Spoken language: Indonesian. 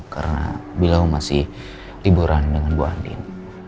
karena bilau masih liburan dengan bu anin